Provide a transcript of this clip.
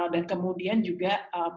dan kemudian juga